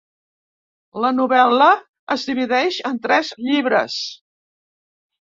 La novel·la es divideix en tres llibres.